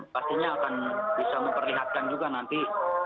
pastinya akan bisa memperlihatkan juga nanti